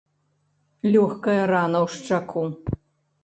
Лёгкая рана ў шчаку.